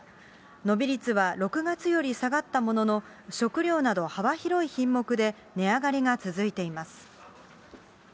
伸び率は６月より下がったものの、食料など幅広い品目で値上がりが続いています。